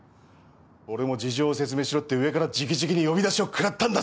俺も事情を説明しろって上から直々に呼び出しを食らったんだぞ。